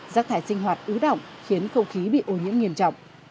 rác thải sinh hoạt ứ động khiến không khí bị ô nhiễm nghiêm trọng